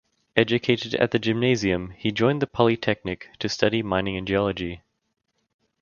Educated at the Gymnasium he joined the Polytechnic to study mining and geology.